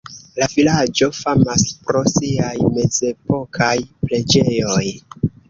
La vilaĝo famas pro siaj mezepokaj preĝejoj.